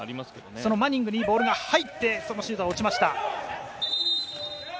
そのマニングにボールが入って、そのシュートは落ちました。